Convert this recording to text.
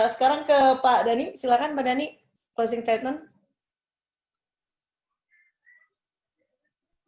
sekarang ke pak dhani silahkan pak dhani closing statement